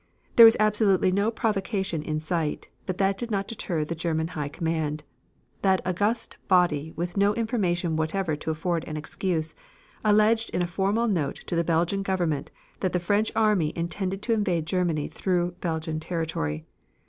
There was absolutely no provocation in sight, but that did not deter the German High Command. That august body with no information whatever to afford an excuse, alleged in a formal note to the Belgian Government that the French army intended to invade Germany through Belgian territory.